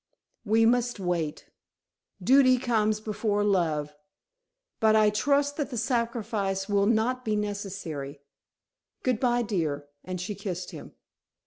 "We must wait. Duty comes before love. But I trust that the sacrifice will not be necessary. Good bye, dear," and she kissed him.